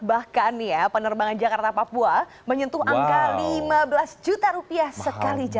bahkan ya penerbangan jakarta papua menyentuh angka lima belas juta rupiah sekali